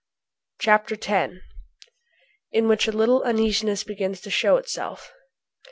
CHAPTER X.IN WHICH A LITTLE UNEASINESS BEGINS TO SHOW ITSELF.